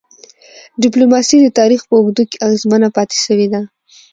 ډيپلوماسي د تاریخ په اوږدو کي اغېزمنه پاتې سوی ده.